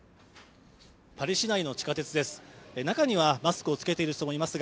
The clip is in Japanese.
パリ市内の地下鉄です。